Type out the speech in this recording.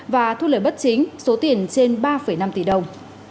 và thu lời bất chính số tiền trên ba năm tỷ đồng